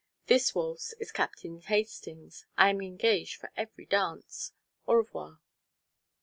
This waltz is Captain Hastings'. I am engaged for every dance. _Au revoir.